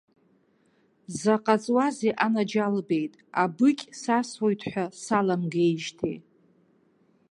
Заҟа ҵуазеи, анаџьалбеит, абыкь сасуеит ҳәа саламгеижьҭеи!